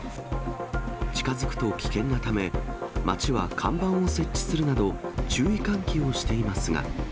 近づくと危険なため、町は看板を設置するなど、注意喚起をしていますが。